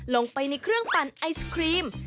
ลงไปในเครื่องปั่นไอศครีม